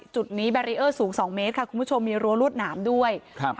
จุดนี้สูงสองเมตรค่ะคุณผู้ชมมีรัวรวดหนามด้วยครับ